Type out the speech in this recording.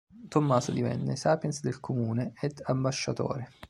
Tommaso divenne "sapiens" del comune ed ambasciatore.